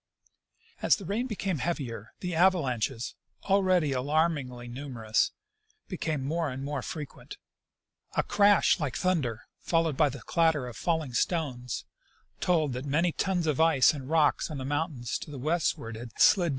As the rain became heavier, the avalanches, already alarmingly numerous, became more and more frequent : A crash like thunder, followed by the clatter of falling stones, told that many tons of ice and rocks on the mountains to the westward had slid A Storm on the Mountains.